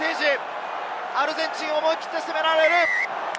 アルゼンチン、思い切って攻められる。